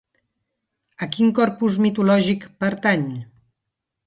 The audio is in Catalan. A quin corpus mitològic pertany?